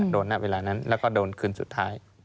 โดนหน้าเวลานั้นแล้วก็โดนคืนสุดท้าย